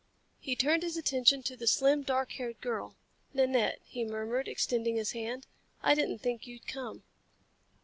He turned his attention to the slim, dark haired girl. "Nanette," he murmured, extending his hand, "I didn't think you'd come."